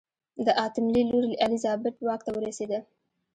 د اتم لي لور الیزابت واک ته ورسېده.